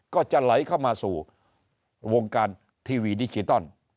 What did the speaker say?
ก็จะไหลเข้ามาสู่วงการทีวีดิจิตอล